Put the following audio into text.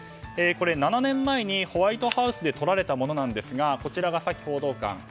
７年前にホワイトハウスで撮られたものですがこちらがサキ報道官。